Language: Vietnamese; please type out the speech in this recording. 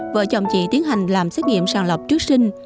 vợ chồng chị tiến hành làm xét nghiệm sàng lọc trước sinh